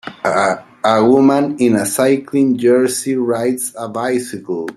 A woman in a cycling jersey rides a bicycle